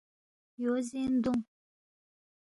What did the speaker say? یو زین دونگ